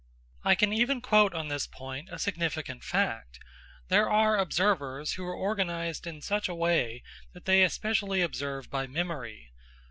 I can even quote on this point a significant fact: there are observers who are organised in such a way that they especially observe by memory.